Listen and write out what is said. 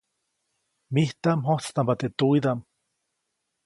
Mijtaʼm mjojtstampa teʼ tuwiʼdaʼm.